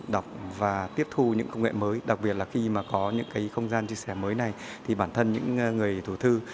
đọc và tiếp thu những công nghệ mới đặc biệt là khi mà có những cái không gian chia sẻ mới này thì bản thân những người thổ thư